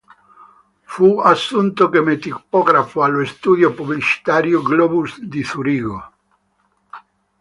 Fu assunto come tipografo allo studio pubblicitario Globus di Zurigo.